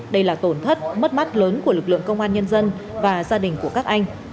đây là tổn thất mất mắt lớn của lực lượng công an nhân dân và gia đình của các anh